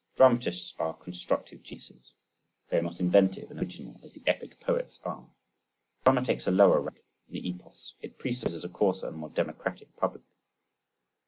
Dramatists are constructive geniuses, they are not inventive and original as the epic poets are. Drama takes a lower rank than the epos: it presupposes a coarser and more democratic public. 48.